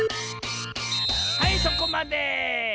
はいそこまで！